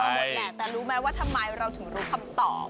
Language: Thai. แต่รู้ไหมว่าทำไมเราถึงรู้คำตอบ